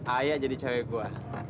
ayah jadi cewek gua